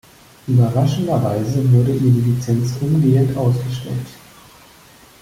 Überraschenderweise wurde ihr die Lizenz umgehend ausgestellt.